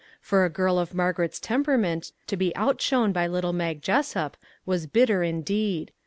For a girl of Margaret's temperament to be outshone by little Mag Jessup was bitter indeed.